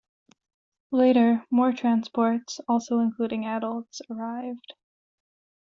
Later, more transports, also including adults, arrived.